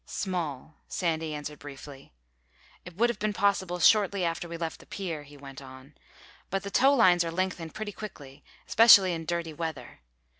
"Small," Sandy answered briefly. "It would have been possible shortly after we left the pier," he went on, "but the towlines are lengthened pretty quickly, especially in dirty weather.